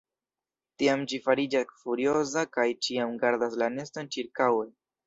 Tiam ĝi fariĝas furioza kaj ĉiam gardas la neston ĉirkaŭe.